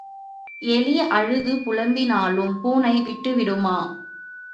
எலி அழுது புலம்பினாலும் பூனை விட்டுவிடுமா?